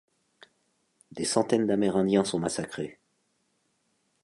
Des centaines d’Amérindiens sont massacrés.